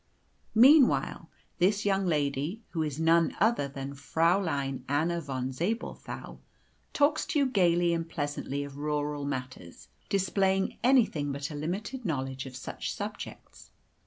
Meanwhile, this young lady (who is none other than Fräulein Anna von Zabelthau) talks to you gaily and pleasantly of rural matters, displaying anything but a limited knowledge of such subjects.